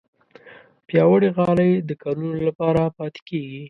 پیاوړې غالۍ د کلونو لپاره پاتې کېږي.